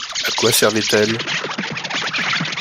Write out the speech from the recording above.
A quoi servait-elle?